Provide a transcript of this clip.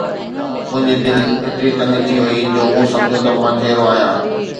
منهنجي دل ايتري تنگ ٿي وئي جو مون سمجهيو ته مان جيئرو آهيان